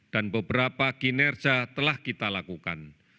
dan beberapa kinerja telah kita lakukan